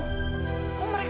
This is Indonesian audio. aku kasian deh sama keluarga aku